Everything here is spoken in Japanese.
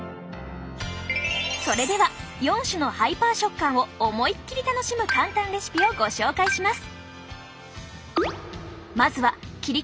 それでは４種のハイパー食感を思いっきり楽しむ簡単レシピをご紹介します！